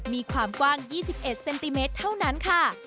มีความกว้าง๒๑เซนติเมตรเท่านั้นค่ะ